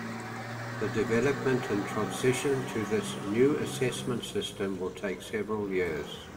The development and transition to this new assessment system will take several years.